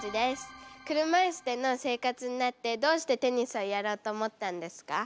車いすでの生活になってどうしてテニスをやろうと思ったんですか？